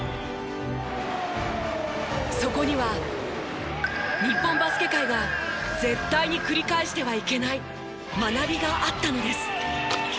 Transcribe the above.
そこには日本バスケ界が絶対に繰り返してはいけない学びがあったのです。